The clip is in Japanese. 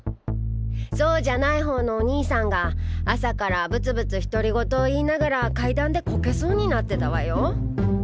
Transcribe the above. そうじゃないほうのお兄さんが朝からブツブツ独り言を言いながら階段でこけそうになってたわよ。